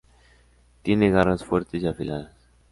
Tiene garras fuertes y afiladas.